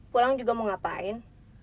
pulang juga mau ngapain